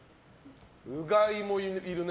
うがいもいるね。